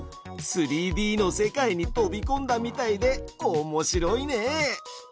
３Ｄの世界に飛びこんだみたいでおもしろいね！